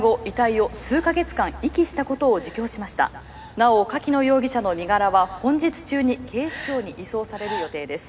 なお柿野容疑者の身柄は本日中に警視庁に移送される予定です。